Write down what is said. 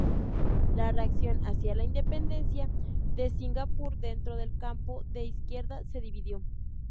La reacción hacia la independencia de Singapur dentro del campo de izquierda se dividió.